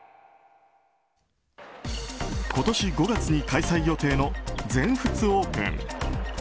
今年５月に開催予定の全仏オープン。